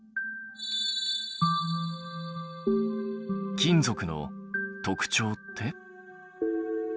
金属の特徴って？